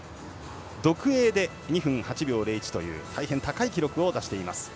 独泳で２分８秒０１という大変高い記録を出しています。